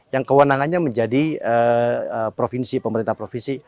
yang kewenangannya menjadi provinsi pemerintah provinsi